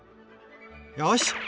よし！